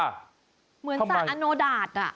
เหมือนสระอโนดาต